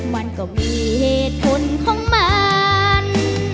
มันก็มีเหตุผลของมัน